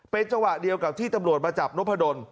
เป็นจังหวะเดียวกับที่ตำรวจมาจับนพดล